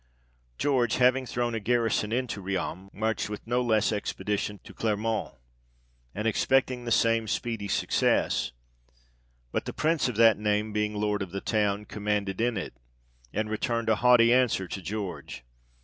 George having thrown a garrison into Riom, marched with no less expedition to Clermont, and expected the same speedy success ; but the Prince of that name being Lord of the town, commanded in it, and returned a haughty answer to George.